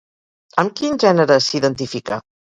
Amb quin gènere s'identifica?